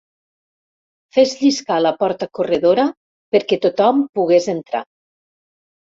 Fes lliscar la porta corredora perquè tothom pogués entrar.